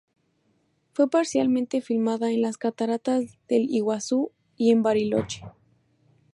Fue parcialmente filmada en las Cataratas del Iguazú y en Bariloche.